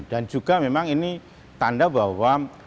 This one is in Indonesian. dan juga memang ini tanda bahwa